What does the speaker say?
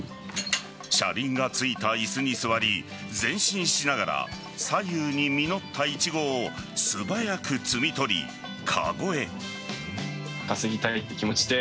車輪が付いた椅子に座り前進しながら左右に実ったイチゴを素早く摘み取り籠へ。